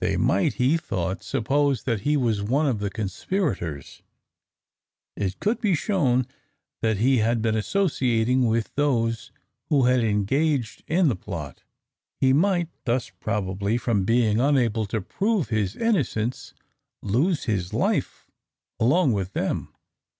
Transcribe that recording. They might, he thought, suppose that he was one of the conspirators. It could be shown that he had been associating with those who had engaged in the plot. He might thus probably from being unable to prove his innocence, lose his life along with them.